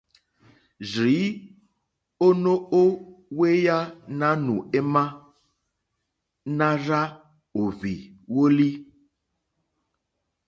Rzìi ò no ohweya nanù ema, na rza ohvi woli.